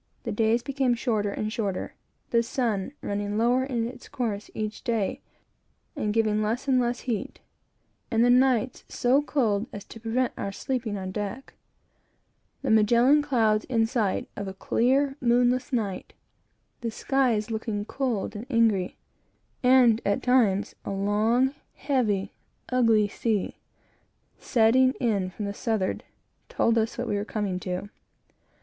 The days became shorter and shorter; the sun running lower in its course each day, and giving less and less heat; and the nights so cold as to prevent our sleeping on deck; the Magellan Clouds in sight, of a clear night; the skies looking cold and angry; and, at times, a long, heavy, ugly sea, setting in from the southwards told us what we were coming to.